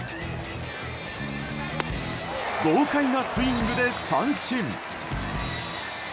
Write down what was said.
豪快なスイングで三振。